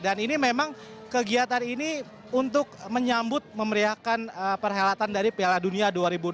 dan ini memang kegiatan ini untuk menyambut memeriahkan perhelatan dari piala dunia dua ribu delapan belas